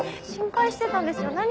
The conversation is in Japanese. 心配してたんですよ